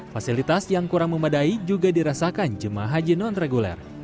fasilitas yang kurang memadai juga dirasakan jemaah haji non reguler